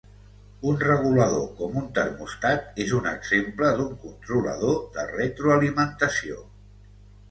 Un regulador com un termòstat és un exemple d'un controlador de retroalimentació.